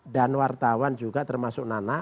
dan wartawan juga termasuk nana